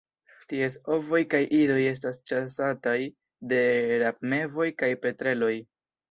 Ties ovoj kaj idoj estas ĉasataj de rabmevoj kaj petreloj.